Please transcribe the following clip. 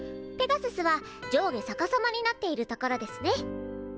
ペガススは上下逆さまになっているところですね。